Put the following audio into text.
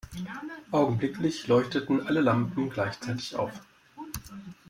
Augenblicklich leuchteten alle Lampen gleichzeitig auf.